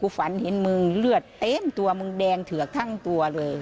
ฝันเห็นมึงเลือดเต็มตัวมึงแดงเถือกทั้งตัวเลย